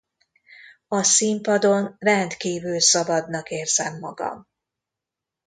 A színpadon rendkívül szabadnak érzem magam.